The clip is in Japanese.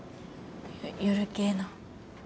よ夜系の。